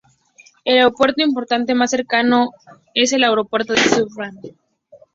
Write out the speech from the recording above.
El aeropuerto importante más cercano es el aeropuerto de Stuttgart.